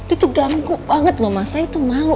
itu ganggu banget loh mas saya itu malu